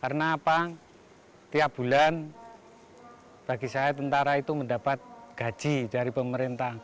karena tiap bulan bagi saya tentara itu mendapat gaji dari pemerintah